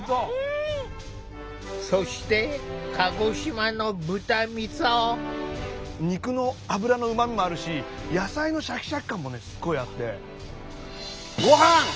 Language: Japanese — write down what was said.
そして肉の脂のうまみもあるし野菜のシャキシャキ感もすごいあって。